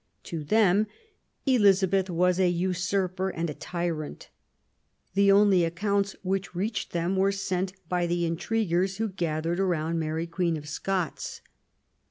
To them EHza beth was a usurper and a tyrant. The only accounts which reached them were sent by the intriguers who gathered round Mary Queen of Scots.